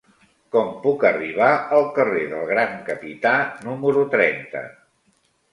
Com puc arribar al carrer del Gran Capità número trenta?